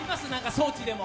装置でも。